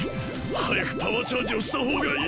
はやくパワーチャージをしたほうがいい！